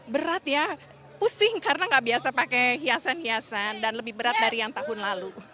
berat ya pusing karena nggak biasa pakai hiasan hiasan dan lebih berat dari yang tahun lalu